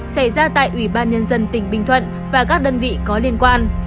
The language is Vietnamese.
xảy ra tại ủy ban nhân dân tỉnh bình thuận và các đơn vị có liên quan